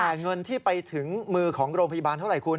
แต่เงินที่ไปถึงมือของโรงพยาบาลเท่าไหร่คุณ